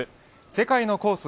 世界のコース